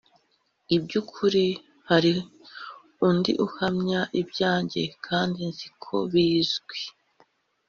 iby ukuri hari undi uhamya ibyanjye kandi nzi ko bizwi